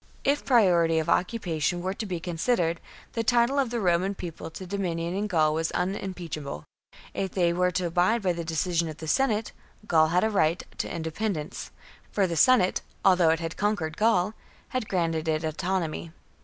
If priority of occupation were to be considered, the title of the Roman People to dominion in Gaul was unimpeachable ; if they were to abide by the decision of the Senate, Gaul had a right to independence, for the Senate, although it had conquered Gaul, had granted it autonomy.